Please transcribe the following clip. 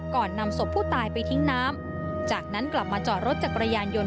ก่อนนำศพผู้ตายไปทิ้งน้ำจากนั้นกลับมาจอดรถจักรยานยนต์